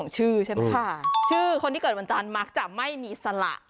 ชื่อคนที่เกิดบนการมักจะไม่มีสละ